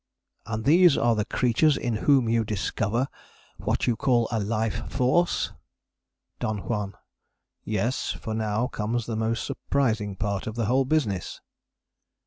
And these are the creatures in whom you discover what you call a Life Force! DON JUAN. Yes; for now comes the most surprising part of the whole business.